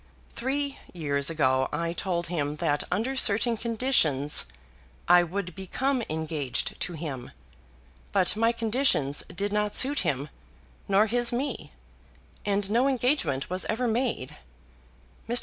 Three years ago I told him that under certain conditions I would become engaged to him. But my conditions did not suit him, nor his me, and no engagement was ever made. Mr.